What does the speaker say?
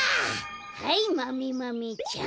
はいマメマメちゃん。